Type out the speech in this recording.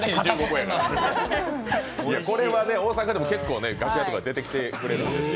これは大阪でも結構楽屋とかにも出てきてくれるんですよ。